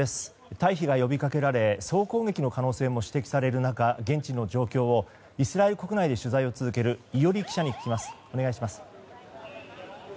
退避が呼びかけられ総攻撃の可能性も指摘される中、現地の状況をイスラエル国内で取材を続ける伊従記者に聞きます。